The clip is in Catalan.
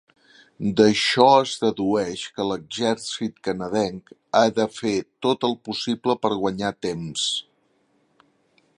D'això es dedueix que l'exèrcit canadenc ha de fer tot el possible per guanyar temps.